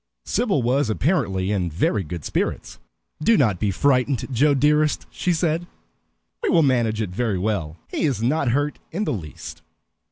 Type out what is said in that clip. Sybil was apparently in very good spirits. "Do not be frightened, Joe dearest," she said. "We will manage it very well. He is not hurt in the least."